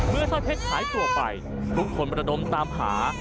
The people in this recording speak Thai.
เมื่อท่าเผ็ดหายตัวไปทุกคนประดมตามหา